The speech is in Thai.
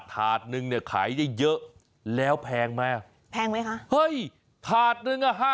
แพงไหมคะเฮ้ยถาดนึง